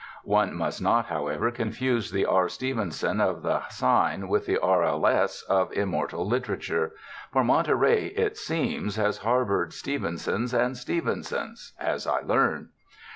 One must not, however, confuse the R. Stevenson of the sign with the R. L. S. of immortal literature; for Monterey, it seems, has har))ored Stevensons and Stevensons, as I learned.